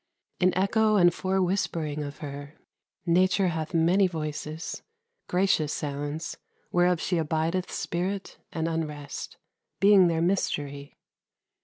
In echo and forewhispering of her, Nature hath many voices gracious sounds Whereof she abideth spirit and unrest, Being their mystery.